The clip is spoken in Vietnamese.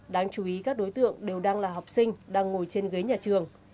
đáng chú ý các đối tượng đều đang là học sinh đang ngồi trên ghế nhà trường